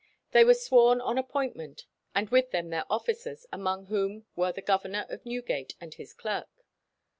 They were sworn on appointment, and with them their officers, among whom were the governor of Newgate and his clerk.